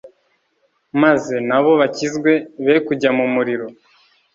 maze, na bo bakizwe, be kujya mu muriro,